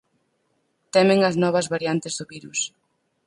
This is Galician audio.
Temen as novas variantes do virus.